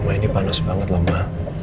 mama ini panas banget lah ma